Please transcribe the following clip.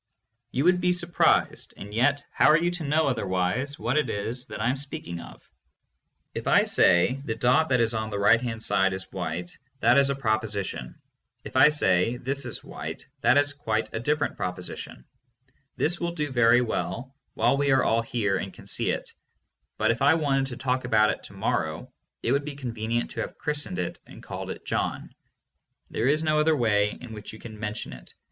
You would be surprised, and yet how are you to know otherwise what it is that I am speaking of. If I say, "The dot that is on the right hand side is white" that is a proposition. If I say "This is white" that is quite a different proposition. "This" will do very well while we are all here and can see 524 THE MONIST. it, but if I wanted to talk about it to morrow it would be convenient to have christened it and called it "John." There is no other way in which you can mention it.